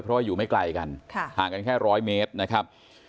เพราะว่าอยู่ไม่ไกลกันห่างกันแค่๑๐๐เมตรนะครับ